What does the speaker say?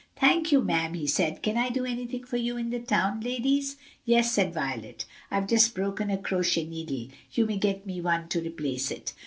"Thank you, ma'am," he said. "Can I do anything for you in the town, ladies?" "Yes," said Violet, "I have just broken a crochet needle. You may get me one to replace it."